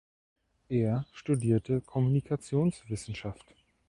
Er studierte Kommunikationswissenschaft.